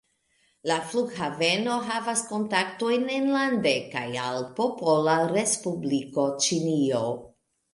La flughaveno havas kontaktojn enlande kaj al Popola Respubliko Ĉinio.